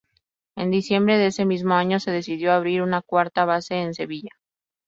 En diciembre de ese mismo año se decidió abrir una cuarta base en Sevilla.